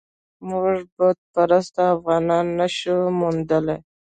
موږ بت پرست افغانان نه شو موندلای.